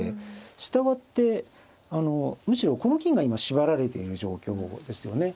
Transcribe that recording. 従ってむしろこの金が今縛られている状況ですよね。